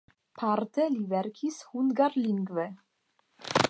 Parte li verkis hungarlingve.